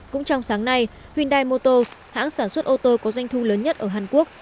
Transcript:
cũng trong sáng nay hyundai moto hãng sản xuất ô tô có doanh thu lớn nhất ở hàn quốc